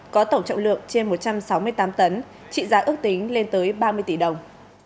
có tổng trọng lượng trên một trăm sáu mươi tám tấn trị giá ước tính lên tới ba mươi tỷ đồng